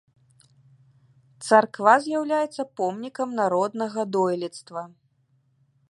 Царква з'яўляецца помнікам народнага дойлідства.